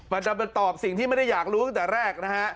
มันจะเป็นตอบสิ่งที่ไม่ได้อยากรู้ตั้งแต่แรกนะฮะ